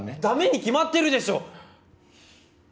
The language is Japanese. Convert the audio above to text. ダメに決まってるでしょ！